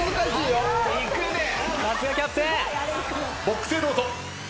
ボックスへどうぞ。